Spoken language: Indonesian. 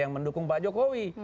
yang mendukung pak jokowi